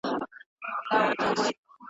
یا د وږو نس ته ځي لار یې دېګدان سي